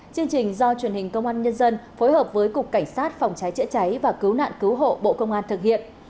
chương trình do truyền hình công an nhân dân phối hợp với cục cảnh sát phòng cháy chữa cháy và cứu nạn cứu hộ bộ công an thực hiện